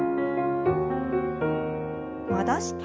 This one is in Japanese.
戻して。